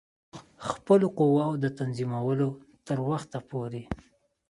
خپلو قواوو د تنظیمولو تر وخته پوري.